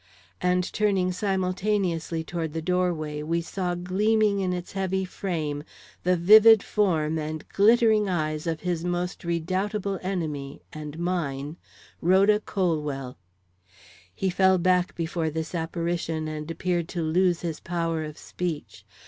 and turning simultaneously toward the doorway, we saw gleaming in its heavy frame the vivid form and glittering eyes of his most redoubtable enemy and mine Rhoda Colwell. He fell back before this apparition and appeared to lose his power of speech.